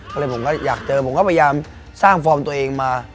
ก็เลยผมก็อยากเจอผมก็พยายามสร้างฟอร์มตัวเองมา